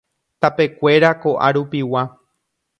Tapekuéra ko'arupigua.